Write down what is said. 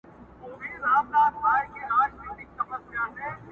o چي غورځي، هغه پرځي!